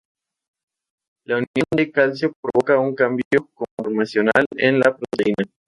La unión de calcio provoca un cambio conformacional en la proteína.